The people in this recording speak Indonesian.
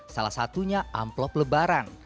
salah satunya amplop lebaran